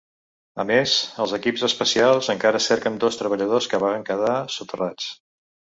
A més, els equips especials encara cerquen dos treballadors que van quedar soterrats.